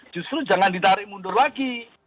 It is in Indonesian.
justru jangan ditarik mundur lagi